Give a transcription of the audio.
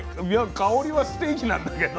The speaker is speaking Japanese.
香りはステーキなんだけど。